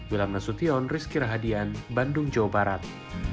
wilam nasution rizky rahadian bandung jawa barat